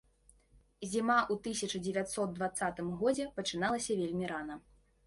Зіма ў тысяча дзевяцьсот дваццатым годзе пачыналася вельмі рана.